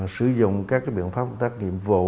sử dụng các các biện pháp tác nhiệm vụ